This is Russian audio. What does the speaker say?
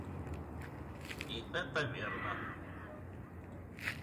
И это верно.